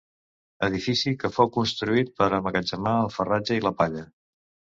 Edifici que fou construït per emmagatzemar el farratge i la palla.